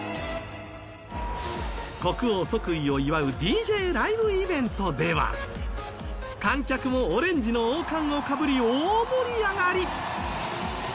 国王即位を祝うＤＪライブイベントでは観客もオレンジの王冠をかぶり大盛り上がり。